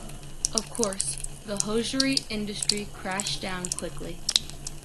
Of course, the hosiery industry crashed down quickly.